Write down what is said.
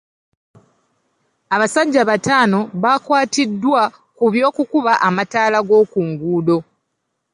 Abasajja batano bakwattiddwa ku by'okubba amataala g'oku nguudo.